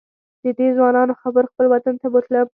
ددې ځوانانو خبرو خپل وطن ته بوتلم.